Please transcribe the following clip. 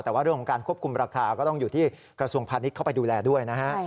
แต่ว่าเรื่องของการควบคุมราคาก็ต้องอยู่ที่กระทรวงพาณิชย์เข้าไปดูแลด้วยนะฮะ